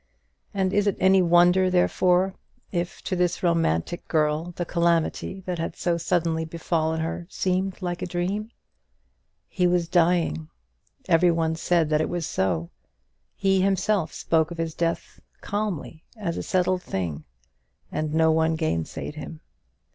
And is it any wonder, therefore, if to this romantic girl the calamity that had so suddenly befallen her seemed like a dream? He was dying! every one said that it was so; he himself spoke of his death calmly as a settled thing; and no one gainsayed him.